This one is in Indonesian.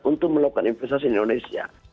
untuk melakukan investasi di indonesia